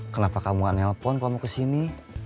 kenapa kamu gak nelpon kamu kesini